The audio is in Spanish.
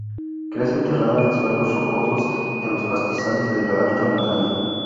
Crece enterrado en suelos rocosos en los pastizales de alta montaña.